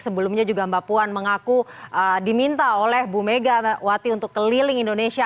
sebelumnya juga mbak puan mengaku diminta oleh bu megawati untuk keliling indonesia